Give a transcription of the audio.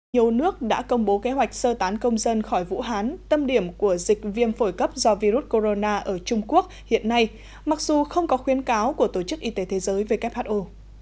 nhiều nước đã công bố kế hoạch sơ tán công dân khỏi vũ hán tâm điểm của dịch viêm phổi cấp do virus corona ở trung quốc hiện nay mặc dù không có khuyến cáo của tổ chức y tế thế giới who